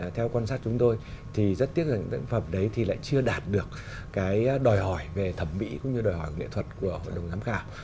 theo quan sát chúng tôi rất tiếc rằng những tác phẩm đấy lại chưa đạt được đòi hỏi về thẩm mỹ cũng như đòi hỏi về nghệ thuật của hội đồng giám khảo